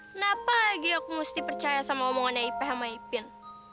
kenapa lagi aku mesti percaya sama omongan ip sama ipin